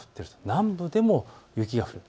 南部でも雪が降る。